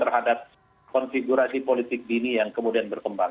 atau sebagai bentuk respons terhadap konfigurasi politik dini yang kemudian berkembang